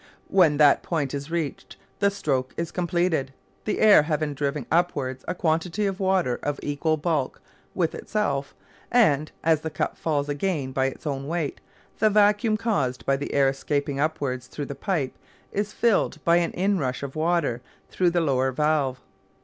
When that point is reached the stroke is completed, the air having driven upwards a quantity of water of equal bulk with itself, and, as the cup falls again by its own weight, the vacuum caused by the air escaping upwards through the pipe is filled by an inrush of water through the lower valve.